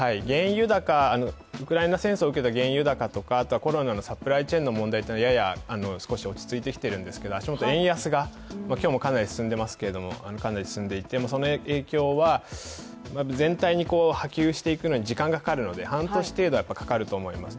ウクライナ戦争を受けた原油高とかコロナのサプライチェーンの問題はやや少し落ち着いてきているんですが足元、円安が今日もかなり進んでいますがその影響は全体に波及していくのに時間がかかるので半年程度かかると思います。